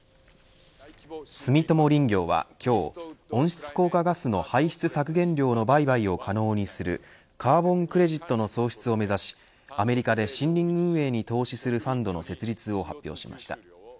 住友林業は今日温室効果ガスの排出削減量の売買を可能にするカーボンクレジットの創出を目指しアメリカで森林運営に投資するファンドの設立を発表しました。